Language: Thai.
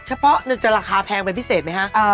เฉพาะจะราคาแพงไปพิเศษไหมคะ